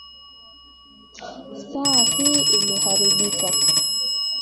Saa hii imeharibika.